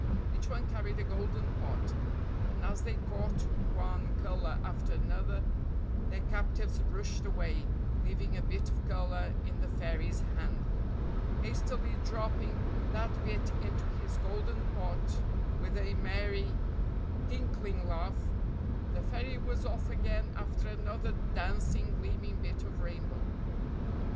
Each one carried a golden pot, and as they caught one colour after another their captives rushed away, leaving a bit of colour in the fairy's hand. Hastily dropping that bit into his golden pot with a merry, tinkling laugh, the fairy was off again after another dancing, gleaming bit of rainbow.